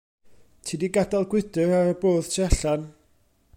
Ti 'di gadael gwydr ar y bwrdd tu allan.